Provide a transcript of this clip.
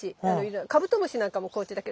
カブトムシなんかも甲虫だけどあんな